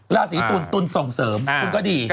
ราศีตุลตุลส่งเสริมคุณก็ดี